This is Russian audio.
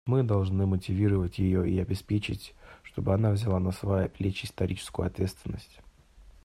Мы должны мотивировать ее и обеспечить, чтобы она взяла на свои плечи историческую ответственность.